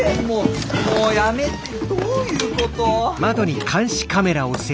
もうやめてどういうこと？